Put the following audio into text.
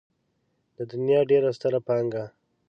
د دنيا ډېره ستره پانګه.